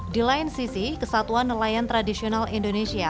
di lain sisi kesatuan nelayan tradisional indonesia